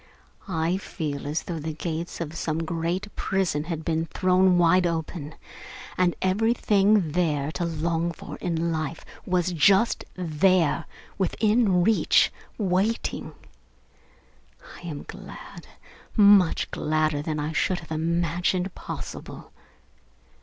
I feel as though the gates of some great prison had been thrown wide open, and everything there was to long for in life was just there, within reach, waiting. I am glad, so much gladder than I should have imagined possible.